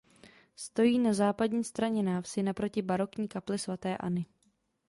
Stojí na západní straně návsi naproti barokní kapli svaté Anny.